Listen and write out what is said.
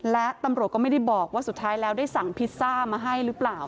และตำรวจก็ไม่ได้บอกว่าสุดท้ายแล้วได้สั่งพิซซ่ามาให้หรือเปล่า